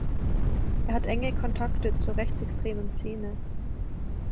Er hat enge Kontakte zur rechtsextremen Szene.